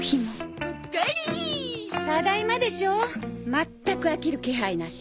まったく飽きる気配なし！